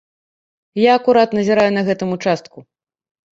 Я акурат назіраю на гэтым участку.